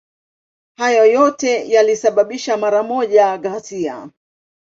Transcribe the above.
Hayo yote yalisababisha mara moja ghasia.